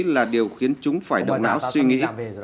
là điều khiến chúng phải đồng não suy nghĩ